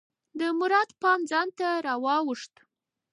د مراد پام ځان ته راواووخته.